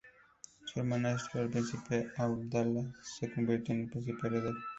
Su hermanastro el príncipe Abdalá se convirtió en el príncipe heredero.